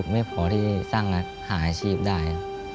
ไม่พอที่สร้างรัฐหาอาชีพได้